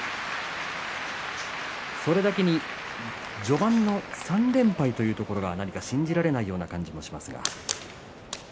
それだけに序盤の３連敗というところが何か、信じられないような感じもしますが。